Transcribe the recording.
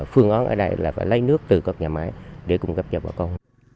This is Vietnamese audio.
phương án ở đây là phải lấy nước từ các nhà máy để cung cấp cho bà con